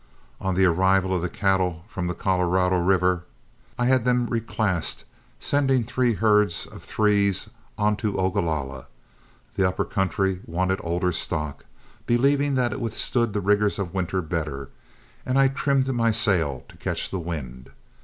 On the arrival of the cattle from the Colorado River, I had them reclassed, sending three herds of threes on to Ogalalla. The upper country wanted older stock, believing that it withstood the rigors of winter better, and I trimmed my sail to catch the wind.